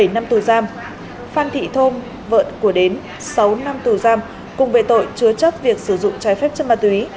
bảy năm tù giam phan thị thôn vợ của đến sáu năm tù giam cùng về tội chứa chất việc sử dụng trái phép chân ma túy